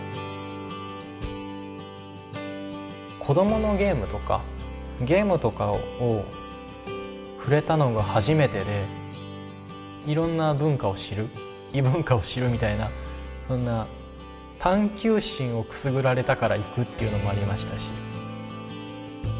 子供のゲームとかゲームとかを触れたのが初めてでいろんな文化を知る異文化を知るみたいなそんな探求心をくすぐられたから行くっていうのもありましたし。